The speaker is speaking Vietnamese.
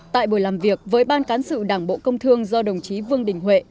tại buổi làm việc với ban cán sự đảng bộ công thương do đồng chí vương đình huệ